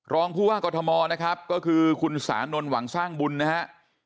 รองผู้ว่ากรทมนะครับก็คือคุณสานนท์หวังสร้างบุญนะฮะ